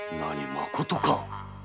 まことか。